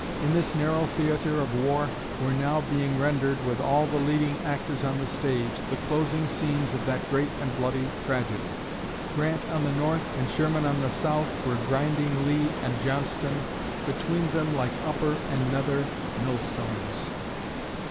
In this narrow theatre of war were now being rendered, with all the leading actors on the stage, the closing scenes of that great and bloody tragedy. Grant on the north and Sherman on the south were grinding Lee and Johnston between them like upper and nether millstones.